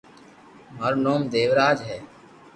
مارو نوم ديوراج ھئ